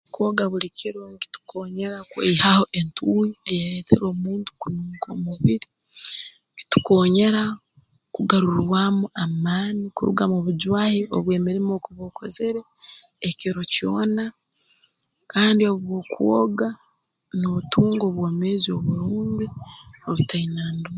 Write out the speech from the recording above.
Kwoga buli kiro nkitukonyera kweyihaho entuuyo eyeeretera omuntu kununka omubiri kitukoonyera kugarurwamu amaani kuruga mu bujwahi obw'emirimo ei okuba okozere ekiro kyona kandi obu okwoga nootunga obwomeezi oburungi obutaina nd